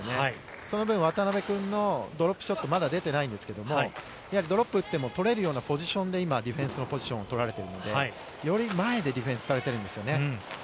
その分、渡辺君のドロップショット、まだ出ていないんですがドロップを打っても取れるようなポジションでディフェンスのポジションを取られているので、より前でディフェンスされているんですよね。